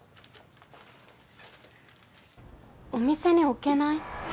お店に置けない？